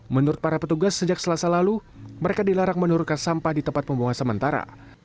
menurut para petugas sejak selasa lalu mereka dilarang menurunkan sampah di tempat pembuangan sementara